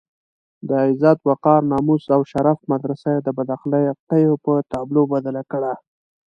د عزت، وقار، ناموس او شرف مدرسه یې بد اخلاقيو په تابلو بدله کړه.